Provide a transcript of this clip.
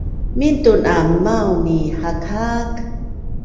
Mintun aam maun i hakhak